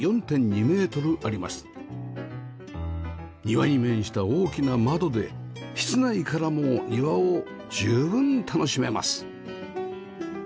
庭に面した大きな窓で室内からも庭を十分楽しめます